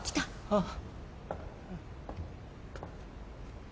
ああ。